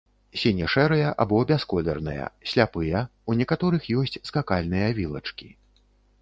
Сіне-шэрыя або бясколерныя, сляпыя, у некаторых ёсць скакальныя вілачкі.